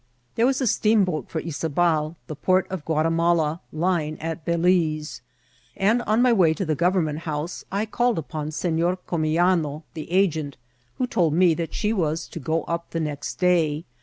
There was a steamboat for Yzabal, th6 port of Guati mala, lying at Balize ; and, on my way to the Qt)v emment House, I called upon Senor Comyano, the agent, who told me that she was to go up the next day ; 2 14 INCIDENTS or TRATIL.